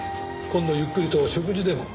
今度ゆっくりと食事でも。